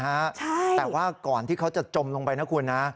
ใช่แต่ว่าก่อนที่เขาจะจมลงไปนะคุณนะ